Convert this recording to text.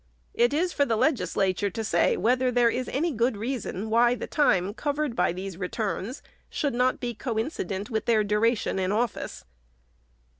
It is for the Legislature to say whether there be any good reason, why the time covered by these returns should not be coincident with their duration in office.